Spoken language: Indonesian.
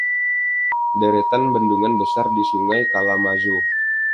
Deretan bendungan besar di Sungai Kalamazoo.